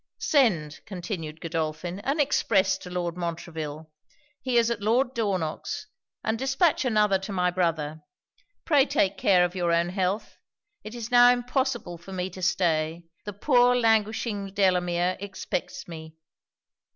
'Send,' continued Godolphin, 'an express to Lord Montreville. He is at Lord Dornock's; and dispatch another to my brother. Pray take care of your own health. It is now impossible for me to stay the poor languishing Delamere expects me.'